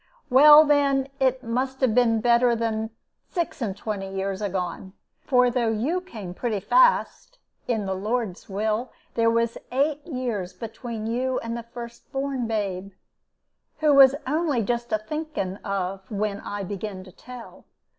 Well, then, it must have been better than six and twenty year agone; for though you came pretty fast, in the Lord's will, there was eight years between you and the first born babe, who was only just a thinking of when I begin to tell.